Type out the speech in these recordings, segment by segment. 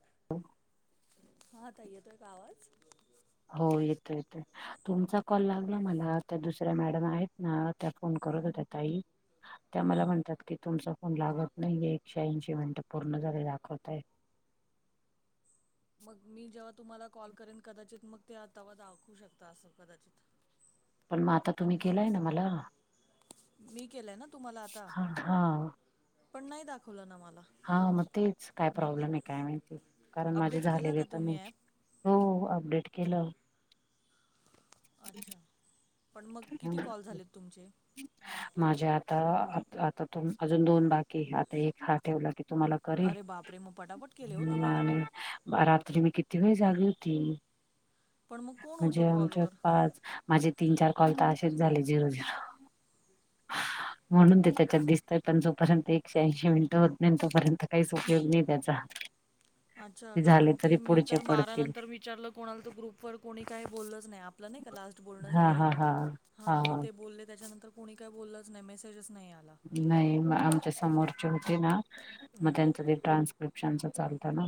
[unintelligible] हा ताई येतोय का आवाज हो येतो येतो तुमचा कॉल लागला मला त्या दुसऱ्या मॅडम आहेत ना त्या फोन करत होत्या ताई [unintelligible] त्या मला म्हणतात की तुमचा फोन लागत नाही एकशे ऐंशी मिनिटं पूर्ण झाले दाखवतयतात मग मी जेव्हा तुम्हाला कॉल करेन कदाचित मग तेव्हा दाखवू शकता असं कदाचित पण म आता तुम्ही केलाय ना मला मी केलंय ना तुम्हाला आता हा हा पण नाही दाखवलं ना मला हा मग तेच काय प्रॉब्लेम आहे काय माहिती कारण माझे अपडेट केलं का झालेले तर तुम्ही मी ॲप? हो अपडेट केलं अच्छा पण मग किती कॉल झालेत तुमचे माझ्या आता आतातून अजून दोन बाकी आता एक हा ठेवला की तुम्हाला अरे बापरे! मग पटापट केले हो करिल तुम्ही. आणी बा रात्री मी किती वेळ जागी होती पण मग कोण म्हणजे होतं आमच्या कॉलवर? पाच माझे तीन, चार काॅल तर अशेच झाले झिरो झीरो [unintelligible] म्हणून ते त्याच्यात दिसतय पण जोपर्यंत एकशे ऐंशी मिनिटं होत नाही तोपर्यंत काहीच उपयोग नाही त्याचा [unintelligible] अच्छा ते झाले कारण तरी की मी पुढचे तर बारा पडतील नंतर विचारलं कोणाला तर ग्रुपवर कोणी काही बोललच नाही आप आपलं नाही का लास्ट बोलणं हा झालं हा हा हां मग हा ते बोलले त्याच्यानंतर कोणी काही बोललंच नाही मेसेजच नाही आला नाही मग आमच्या समोरचे होते ना मग हम्म. त्यांचं ते ट्रान्स्क्रिप्शनचं चालतं ना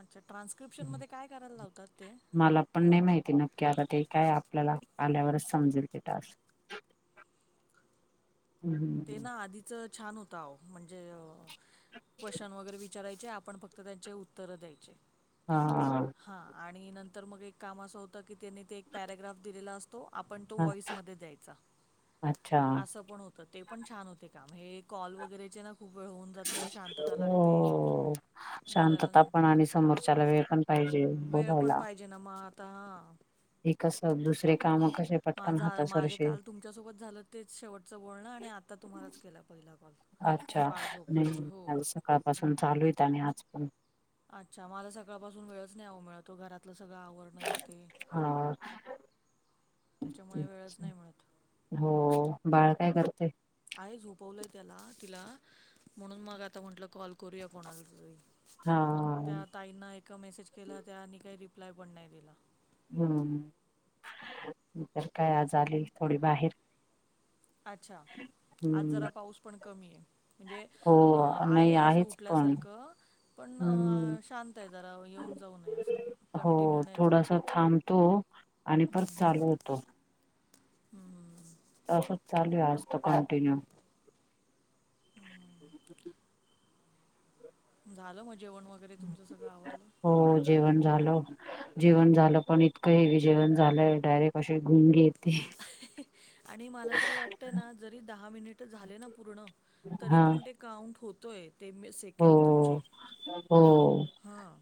अच्छा ट्रान्स्क्रिप्शनमध्ये काय करायला लावतात ते मला पण नाही माहिती नक्की आता ते काय आपल्याला आल्यावरच समजेल ते टास्क [unintelligible] ते हम्म ना आधीच छान होत अहो म्हणजे अं क्वश्चन वगैरे विचारायचे आपण फक तर त्याचे उत्तरं द्यायचे हां हां आणि नंतर मग एक काम असं होतं की त्यांनी ते एक पॅराग्राफ दिलेला असतो आपण तो ह व्हाॅईसमध्ये द्यायचा अच्छा असं पण होतं तर ते पण छान होते काम हे कॉल वगैरेचे ना खूप वेळ होऊन जातं शांतता लागते हो बोलायला शांतता नाही पण आणि समोरच्याला वेळ पण पाहिजे बोलायला जन्माचा हे कसं, दुसरे कामं कशे माझं आं माझे काल तुमच्यासोबत झालं तेच शेवटचं बोलणं आणि आता तुम्हालाच केला पहिला कॉल. अच्छा! बाळ झोपल्यावर नायी हो. आज सकाळपासून चालूयेत आणि आज पण अच्छा! मला सकाळपासून वेळच नाही ओ मिळतं. घरातलं सगळं आवरण, हें तें. हां [inaudible] त्याच्यामुळे वेळच नाही मिळत. [inaudible] हों, बाळ काय करतय? आहे झोपवलंय त्याला-तिला, म्हणून मग आता म्हटलं कॉल करूया कोणाला तरी. हाय त्या ताईंना एका मेसेज केला, त्यांनी काय रिप्लाय पण नाही दिला. हुं, मी पण काय आज आली, थोडी बाहेर. अच्छा! आज हम्म जरा पाऊस पण कमीयं म्हणजे हो अं आहे नाही असं आहेच पण उठल्यासारखं पण हम्म अं शांत आहे जरा, येऊन जाऊन आहे असं, हो कंटिन्यू नायच थोडासा थांबतो आणि परत चालू होतो हुं हुं असंच चालूयं आज तर कंटिन्यू. हां झालं मग जेवण वगैरे तुमचं सगळं आवरल हो जेवण झालं, जेवण झालं पण इतकं हेवी जेवण झालंय डायरे अशे घुमं येतेय आणि मला तरी वाटते नां जरी दहा मिनिटे झाले नां पूर्ण, तरी हा पण ते काउंट होतोय, ते मेस सेकंड तुमचे. हों हां.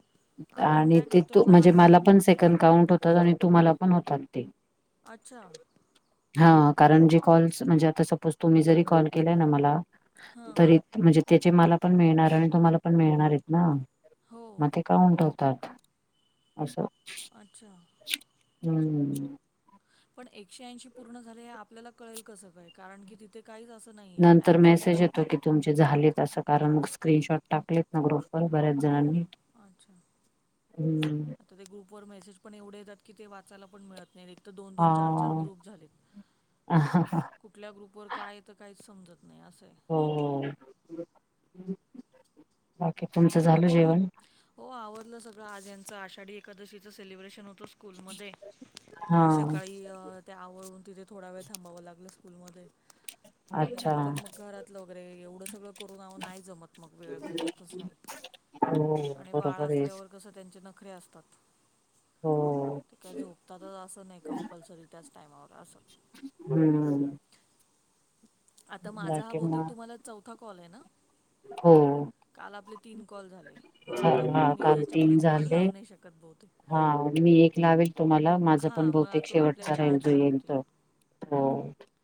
आपण आणि काय तें करतोय तू म्हणजे मला मिनिट पण से कद काउंट होतात आणि तुम्हाला पण होतात ते. अच्छा! हां कारण जे कॉल्स म्हणजे आता सपोज तुम्ही जरी कॉल केलायं नां मला हां. तरी म्हणजे त्याचे मला पण मिळणार आणि तुम्हाला पण मिळणार येतं नां हो. मग ते काय काउंट हो तात असो अच्छा. हुं पण एकशे ऐंशी पूर्ण झाले हे आपल्याला कळेल कसं काय कारण की तिथे काहीच असं नाहीयें नंतर ऍपमध्ये. मेसेज येतो की तुमचे झालेत असं कारण, मग स्क्रीनशॉट टाकलेत. ग्रुपवर बऱ्याच जणांनी हुं तर ते ग्रुप वर मेसेज पण एवढे येतात की ते वाचाला पण मिळत नाही नीट. तर दोन, दोन चार, चार हा. ग्रुप झालेत कुठल्या ग्रुपवर काय येत काहीच समजत नाही असयं. हों बाकी तुमचं झालं जेवण? हो आवरलं सगळं आज याचं आषाढी एकादशीचं सेलिब्रेशन होतं स्कूलमध्ये हा ते सकाळी अं ते आवरुन तिथे थोडा वेळ थांबावं लागलं स्कूलमध्ये आणि अच्छा नंतर मग घरातलं वगैरे एवढं सगळं करून आवो नाही जमत मग वेळ भेटतच नायी. हों आणि बाळ असल्यावर कसं त्यांचे नखरे असतात हो ते काय झोपताना असं नाही, कंपल्सरी त्याच टायमावर अस. हम्म. हू हू. आता माझा हा बहुतेक मग तुम्हाला चौथा कॉल आहे ना? हो. काल आपले तीन कॉल झाले, मग आता चालेल. बऊ हा मी काल याच्या पुुढे तीन तुम्हाला झाले लावू नाही शकत बहुतेक! हा मी एक लावेल तुम्हाला. माझं पण हां मग बहुतेक तू आपले शेवटचा चार राहील जो चार येईल होतील तो. हो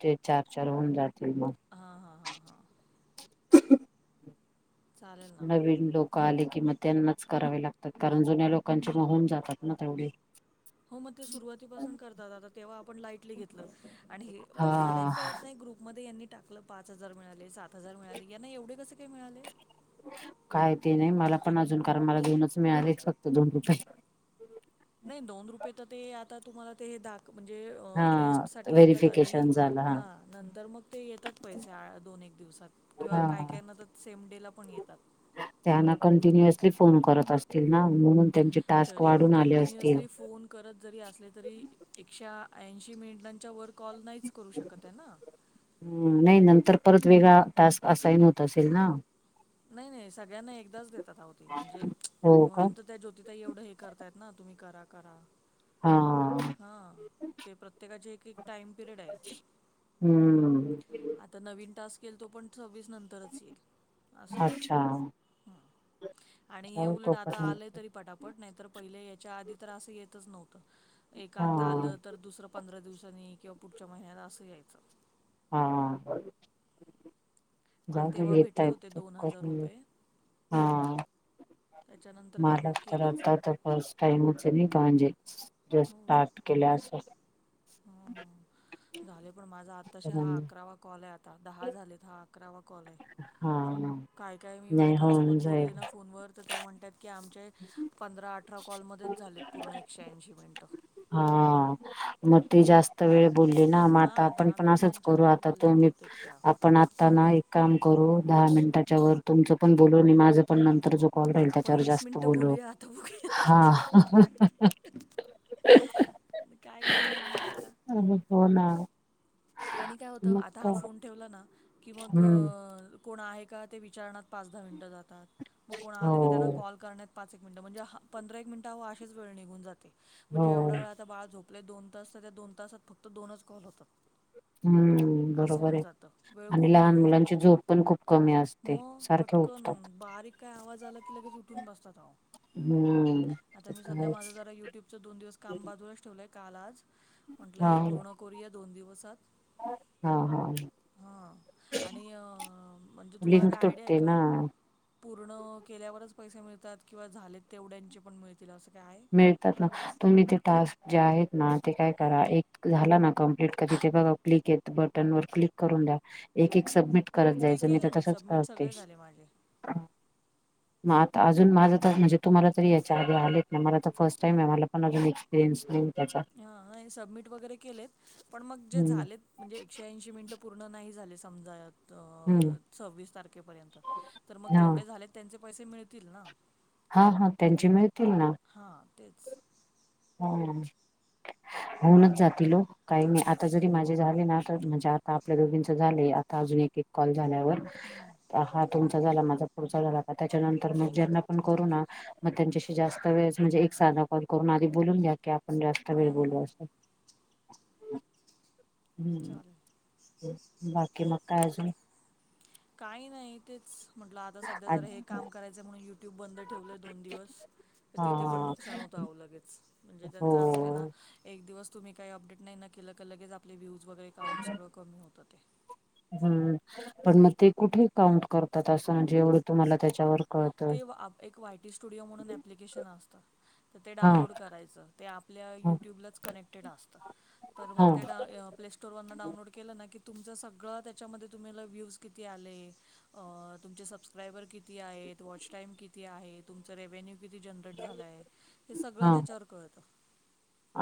ते चार, चार होऊन जातील मग. हा हा हां हां. चालेल ना नवीन लोक क आले कि मग त्यांनाच करावे लागतात. कारण जुन्या लोकांचे म होन जातात ना तेवढे. हो मग ते सुरुवातीपासून करतात आता, तेव्हा आपण लाइटली घेत ल, आणि हे पण मला हा कळत नाही ग्रुपमध्ये यांनी टाकलं पाच हजार मिळाले, सात हजार मिळाले यांना एवढे कसे काय मिळाले? काय ते नाही मला पण अजून कारण मला दोनच मिळालेत, फक्त दोन रुपये. नाही दोन रुपये तर ते आता तुम्हाला ते दाक म्हणजे अ हा टेस्ट साठी येतात आधी व्हेरिफिकेशन झालं हा नंतर मग ते येतात पैसे आ दोन एक दिवसात. किंवा काय काय ना तर सेम डे ला पण येतात त्या ना कंटिन्युअसली फोन करत असतील ना म्हणून त्यांचे टास्क तरी पण वाढून आले असतील. कंटिन्युअसली फोन करत जरी असले तरी एकशे ऐंशी मिनिटांच्या वर कॉल नाहीच करू शकत आहे ना! हम् नाही नंतर परत वेगळा टास्क असाईन होत असेल ना? नाही नाही सगळ्यांना एकदाच देतात अहो ते म्हणजे, हो का म्हणून तर त्या ज्योतिताई एवढं हे करतायत ना तुम्ही करा करा. हा हा ते प्रत्येकाचे एक एक टाइम पिरियड आहे. हम्म. आता नवीन टास्क येईल तो पण सव्वीस नंतरच येईल. अस ह अच्छा आणि हे जाऊ उलट आता तोपर्यंत आलंय तरी पटा पट नाही तर पहिले याच्या आधी तर असं येतच नव्हतं एक हा आता आलं तर दुसरं पंधरा दिवसांनी किंवा पुढच्या महिन्यात असं यायचं. हां हां. मला जाऊदे तेव्हा भेटले येतायेत होते तर दोन हजार करून घेऊ रुपये हा. त्याच्यानं माला तर आता तर फस्ट टाईमच आहे नाही का म्हणजे. ज स्टार्ट केल्या असं. [inaudible] हुं हुं झाले पण माझा आताशी हा अकरावा कॉल आहे आता दहा झालेत हा अकरावा कॉल आहे. हा काय काय मी नाही बायकांसोबत होऊन जाईल. बोलले ना फोनवर तर त्या म्हणतायत की आमचे पंधरा अठरा कॉलमध्येच झालेत पूर्ण एकशे ऐंशी मिनटं. हा मग ते जास्त वेळ बोलले ना म आता हा आपण दहा पण असंच मिनिटांच्या करू वर आता बोलल्यात तुम्ही बहुतेक त्या. आपण आता ना एक काम करू दहा मिनिटाच्या वर तुमचं पण बोलू आणि माझं पण नंतर जो कॉल राहील आपण त्याच्यावर वीस जास्त मिनिटं बोलो बोलूया आता बघूया हा. किती काउंट होतं. काय करणार मग आता? ऊ हुं हो ना. आणि काय होतं, मग आता हा काय फोन ठेवला ना की मग हम्म कोण आहे का ते विचारण्यात पाच दहा मिनटं जातात. मग कोण हो आलं का त्यांना कॉल करण्यात पाच एक मिनटं म्हणजे, हा पंधरा एक मिनट हा असेच वेळ निघून जाते हो म्हणजे एवढ्या वेळात? बाळ झोपलय दोन तास, तर त्या दोन तासात फक्त दोनच कॉल होतात. हम्म. असं बरोबर होऊन आहे, जातं वेळ आणि खूप लहान निघून मुलांची जातो झोप पण खूप कमी असते मग सारखे पटकन उठतात. बारीक काय आवाज आला की लगेच उठून बसतात ह. हम्म आता ते मी तर सध्या माझं आहेच. जरा युट्यूबचं दोन दिवस काम बाजूला ठेवलंय. काल, आज म्हंटलं हा हे पूर्ण करूया दोन दिवसात. हा हा. हा. आणि ह म्हणजे तुम्हाला लिंक काय आयडिया आहे तुटते का? ना पूर्ण केल्यावरच पैसे मिळतात किंवा झालेत तेवढ्यांचे पण मिळतील असं काय हाय? तुम्ही तिथं अस जे आहेत ना ते काय करा एक झाल ना कम्प जितक तिथे बघाव क्लिक, बटन वर क्लिक करून द्या एकेक करून द्या सबमिट. करत ते जायचं मी तर केले तसच सबमिट करते. सगळे झाले माझे मग आता अजून माझ तर म्हणजे तुम्हाला तरी याच्या आधी आले. मला तर फर्स्ट टाईम आहे, मला पण असून एक्सपिरीयन्स नाही. त्याचा हा सबमिट वगैरे केलेत, पण मग जे हम्म झालेत म्हणजे एकशे ऐंशी मिनट. पूर्ण नाही झाले समजात हम्म सव्वीस तारखेपर्यंत तर मग हा जेवढे झालेत त्यांचे पैसे मिळतील ना? हा हा त्यांचे मिळतील ना? हा तेच. ह होऊनच जातील ओ. काही नाही आता जरी माझे झाले ना? तर म्हणजे आता आपल्या दोघींच झाले आता अजून एक एक कॉल झाल्यावर हा तुमचा. झाला माझा पुढचा झाला का? त्याच्यानंतर मग ज्यांना पण करू ना?? मग त्यांच्याशी जास्त वेळेस म्हणजे एक साधा कॉल करून. ते बोलून घ्या की आपण जास्त वेळ हम्म, बोलू हम्म. अस. चालेल. बाकी मग काय अजुन? काही नाही तेच म्हटलं आता सध्या आ जरा हे काम करायचं म्हणून. ट्यूब बंद ठेवलंय दोन दिवस तर तिथे पण हा नुकसान होतं आवं लगेच. म्हणजे हो त्यांच असं आहे ना? एक दिवस तुम्ही काही अपडेट नाही ना केलं का लगेच आपले व्ह्यूज वगैरे काउंट सगळं कमी होतं ते हम् पण मग ते कुठे काउंट करतात? अस म्हणजे म्हणजे एवढं तुम्हाला त्याच्यावर? कळतं ते एक वायटी स्टुडिओ म्हणून एप्लीकेशन असतं तर ते हा डाउनलोड करायचं. ते आपल्या यूट्यूबलाच कनेक्टेड असतं तर मग हा ते. स्टोर डाउनलोड केलं ना की तुमच सगळं त्याच्यामध्ये तुम्हाला लगेज किती आले अ तुमचे सबस्क्रायबर किती आहेत? वॉच टाइम किती आहे, तुमचं रेव्न्यू किती जनरेट झालाय? ते सगळं हा त्याच्यावर कळत.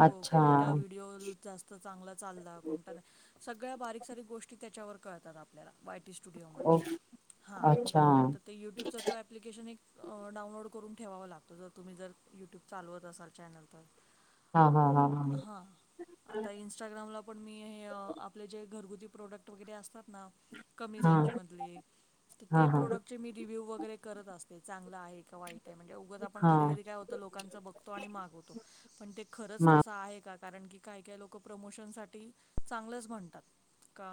कोण अच्छा कोणत्या व्हिडिओला जास्त तो चांगला चालला, कोणता नाही. सगळ्या बारीक सारीक गोष्टी त्याच्यावर कळतात आपल्याला वाय टी स्टु स्टुडिओमध्ये, ओ हा अच्छा तर ते युट्यूबच ॲप्लिकेशन एक डाऊनलोड करून ठेवांव लागतं, जर तुम्ही जर यूट्यूब चालवत असाल चॅनल तर. हा हा हा. आता इन्स्टाग्रामला पण मी हे, आपले जे घरगुती प्रोडक्ट वगैरे असतात ना? कमी हा रेंजमधले तर हा ते हा प्रोडक्टचे मी रिव्ह्यू वगैरे करत असते, चांगलं आहे का वाईट. म्हणजे उग आपण हा कधी कधी काय होतं लोकांचं बघतो आणि माग होतो, पण ते खरंच मा तसं आहे का? कारण की काही काही लोक प्रमोशनसाठी चांगलंच म्हणतात. का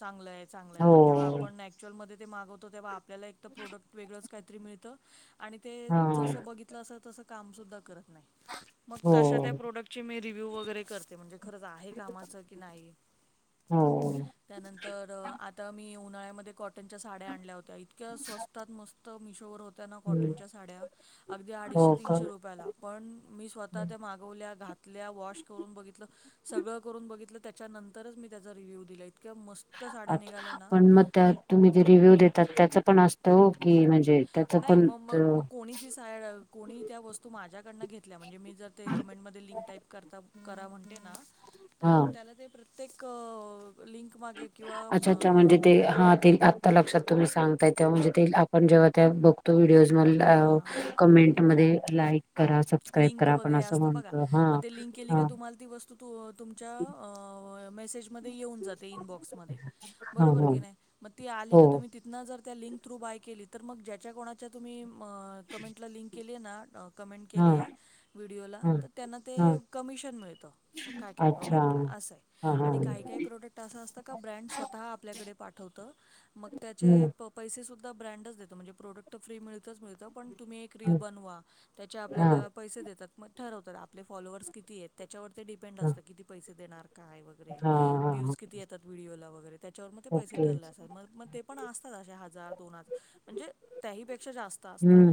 चांगलं आहे? चांगला आहे, हो पण जेव्हा आपण नॅच्युअलमध्ये ते मागवतो, तेव्हा आपल्याला एक प्रोडक्ट वेगळंच काहीतरी मिळतं. आणि ते हा जसं बघितलं असे तसं काम सुद्धा करत नाही, मग हो तशा त्या प्रोडक्ट. मी रिव्ह्यू वगैरे करते, म्हणजे खरं आहे कामाचं की नाही? हो त्यानंतर आता मी उन्हाळ्यामध्ये कॉटनच्या साड्या आणल्या होत्या, इतक्या स्वस्तात मस्त. तर मिशोवर होत्या ना, हम्म, कॉटनच्या साड्या अगदी अडीचशे हो का तीनशे रुपयाला. पण मी स्वतः त्या मागवल्या, घातल्या, वॉश करून बघितलं सगळं करून बघितलं, त्याच्यानंतरच मी त्याचा रिव्ह्यू दिला, इतक्या मस्त. साड्या निघाल्या अच्छा, ना पण मग त्या तुम्ही जे रिव्ह्यू देतात त्याच पण असतं की म्हणजे. त्याच पण. कीती साड कोणी त्या वस्तू माझ्याकडनं घेतल्या, म्हणजे मी जर ते कमेंटमध्ये लिंक टाईप करता. करा म्हते ना, तर हा मग त्याला ते प्रत्येक लिंक. मागे किंवा अच्छा, अच्छा, अ, म्हणजे ते हा ते लक्षात तुम्ही सांगताय तेव्हा, म्हणजे ते आपण जेव्हा त्या बघतो व्हिडिओज मधलं हां कमेंटमध्ये लाईक करा, सबस्क्राईब लिंक करा, आपण वगैरे असं असतं बघा म्हणतो हा मग ते लिंक केली का हं. तुम्हाला ती वस्तू तुमच्या मेसेजमध्ये येऊन जाते, इनबॉक्समध्ये. हा बरोबर हा की नाही, मग ती आली हो का तुम्ही तिथ. ना, जर त्या लिंक थ्रू बाय केली, तर मग ज्याच्या कोणाच्या तुम्ही कमेंटला लिंक केली ना, कमेंट हा केलीय व्हिडिओला, हा तर त्यांना ते हा कमिशन मिळत. काय काय अच्छा प्रोडक्टला असं आहे. हा हा आणि काही काही प्रोडक्ट असं असतं का, ब्रँड स्वतः आपल्याकडे पाठवत? मग हम्म त्याचे पैसे सुद्धा ब्रँडच देत, म्हणजे प्रोडक्ट फ्री मिळतंच मिळतं, पण तुम्ही एक हा रील बनवा हा आपल्याला पैसे देतात. मग ठरवतात आपले फॉलोअर्स किती आहेत, त्यावर ते हा किती पैसे देणार. काय वगैरे, हा व्ह्यूज किती येतात व्हिडिओला वगैरे, त्याच्यावर मग ते पैसे ओके ठरले असतात, मग. ते पण असतात असे हजार-दोन, म्हणजे त्याहीपेक्षा जास्त. असतात, हम्म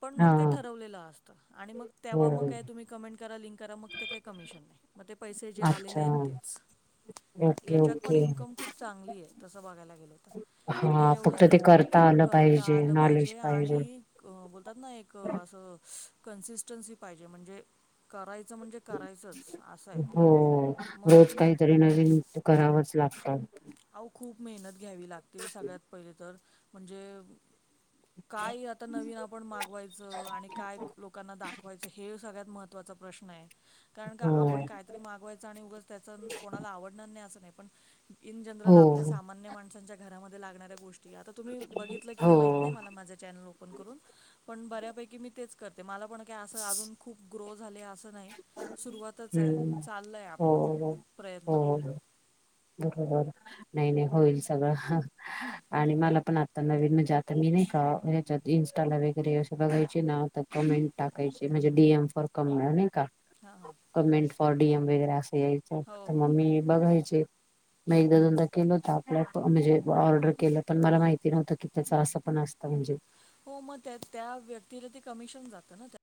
पण हा मग ठरवलेलं असतं आणि मग हो तेव्हा मग हो. काय तुम्ही कमेंट करा, लिंक करा, मग ते काही कमिशन नाही. मग ते पैसे जे आलेले अच्छा आहेत, तेच. ओके याच्यात पण ओके इन्कम खूप चांगली आहे, तसं बघायला गेलं तर. फक्त हा एवढंच ते करता आलं करता पाहिजे आलं नॉलेज पाहिजे आणि बोलतात ना, एक अशी कसोटी पाहिजे, म्हणजे करायचं म्हणजे. करायचंच असं आहे हो, मग रोज काहीतरी नवीन करावंच लागतं. अव, खूप मेहनत घ्यावी लागते सगळ्यात पहिले तर, म्हणजे. काय आता नवीन आपण मागवायचं आणि काय लोकांना दाखवायचं, हे सगळ्यात महत्त्वाचं. महत्त्वाचा प्रश्न आहे, कारण का हो आपण काय? तरी मागवायचं आणि उगाच त्याचं कोणाला आवडणारं नाही, असं नाही पण. इन हो जनरल आपल्या सामान्य माणसांच्या घरामध्ये लागणाऱ्या गोष्टी, आता तुम्ही बघितलं की हो नाही, माहिती नाही, मला माझं चॅनल ओपन करून पण बऱ्यापैकी मी तेच करते. मला पण काय असं अजून खूप ग्रो झाले असं नाही, सुरुवातच आहे. हम्म चाललं आहे हो आपलं, हो प्रयत्न. हो, हो. बरोबर नाही नाही होईल सगळं. आणि मला पण आत्ता नवीन, म्हणजे आता मी नाही का हेच्यात इंस्टाला वगैरे असं बघायचे ना तर हां कमेंट टाकायची, म्हणजे डीएम फॉर कमेंट नाही का? हां हां. कमेंट फॉर डीएम वगैरे असं यायचं हो तर हो मग मी बघायचे. मग एकदा दोनदा केल होत आपल्या म्हणजे ऑर्डर केलं पण मला माहिती नव्हतं की त्याच असं पण असतं म्हणजे हो मग त्या त्या व्यक्तीला ते कमिशन जात ना त्या.